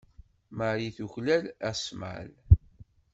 Marie tuklal asmal.